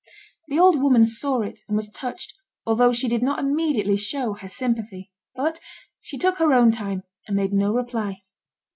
The old woman saw it, and was touched, although she did not immediately show her sympathy. But she took her own time, and made no reply.